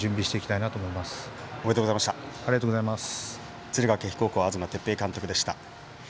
敦賀気比高校東哲平監督でした。